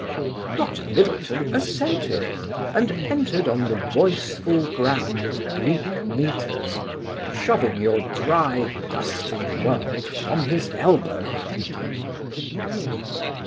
Dr. Middleton assented and entered on the voiceful ground of Greek metres, shoving your dry dusty world from his elbow.